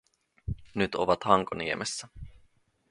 Nyt ovat Hankoniemessä.